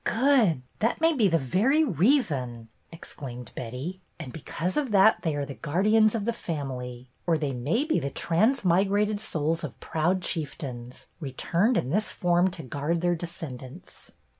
"Good! That may be the very reason!" exclaimed Betty. "And because of that, they are the guardians of the family. Or they may be the transmigrated souls of proud chief tains, returned in this form to guard their descendants."